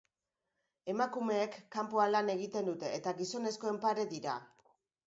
Emakumeek kanpoan lan egiten dute eta gizonezkoen pare dira.